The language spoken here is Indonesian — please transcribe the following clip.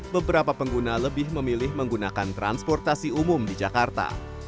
beberapa pengguna lebih memilih menggunakan transportasi umum di jakarta